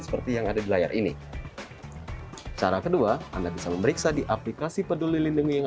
seperti yang ada di layar ini cara kedua anda bisa memeriksa di aplikasi peduli lindungi yang